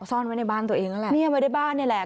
ซ่อนไว้ในบ้านตัวเองก็แหละ